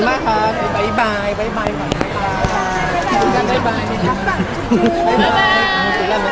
เอาพี่หวานกับลูกออกก่อน